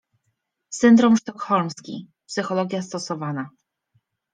Syndrom sztokholmski, psychologia stosowana.